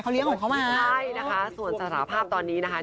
เอาไปทิ้งเหรอหรือยังไงเขาเลี้ยงของเขามาใช่นะคะส่วนสถาภาพตอนนี้นะคะ